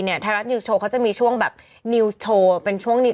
ไทยรัฐนิวสโชว์เขาจะมีช่วงแบบนิวส์โชว์เป็นช่วงนิว